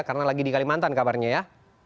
karena lagi di kalimantan kabarnya ya